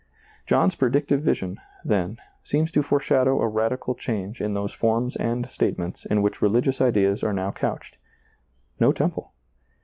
John's predictive vision, then, seems to foreshadow a radical change in those forms and statements in which religious ideas are now couched — no temple.